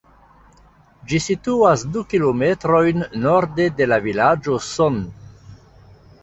Ĝi situas du kilometrojn norde de la vilaĝo Son.